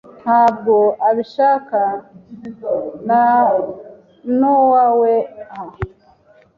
ntabwo abishaka nonaweha.